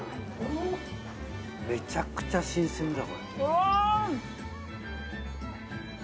めちゃくちゃ新鮮だ。